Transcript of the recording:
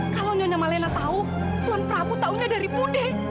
kalau nyonya malena tahu tuhan prabu taunya dari budhe